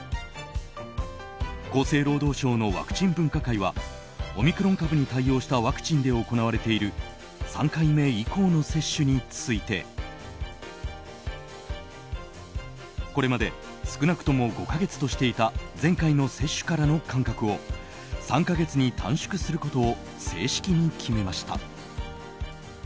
厚生労働省のワクチン分科会はオミクロン株に対応したワクチンで行われている３回目以降の接種についてこれまで少なくとも５か月としていた前回の接種からの間隔を３か月に短縮することを正式に決めました。